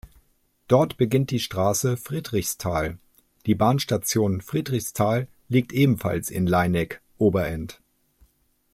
Dort beginnt die Straße Friedrichsthal, die Bahnstation Friedrichsthal liegt ebenfalls in Laineck-Oberend.